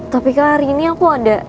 tapi kak hari ini aku ada